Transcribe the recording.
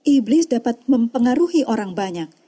iblis dapat mempengaruhi orang banyak